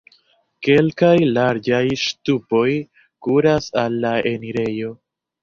Kelkaj larĝaj ŝtupoj kuras al la enirejo.